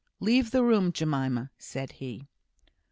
"Leave the room, Jemima," said he.